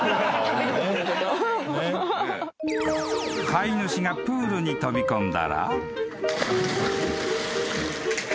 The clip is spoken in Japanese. ［飼い主がプールに飛び込んだら］